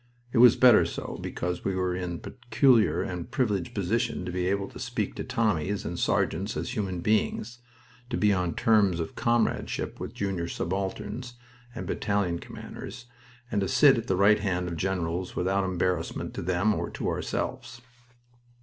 It was better so, because we were in the peculiar and privileged position of being able to speak to Tommies and sergeants as human beings, to be on terms of comradeship with junior subalterns and battalion commanders, and to sit at the right hand of generals without embarrassment to them or to ourselves.